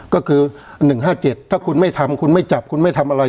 ก็คือ๑๕๗ถ้าคุณไม่ทำคุณไม่จับคุณไม่ทำอะไร